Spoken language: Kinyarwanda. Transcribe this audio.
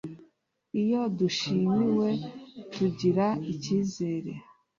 Iyo dushimiwe tugira icyizere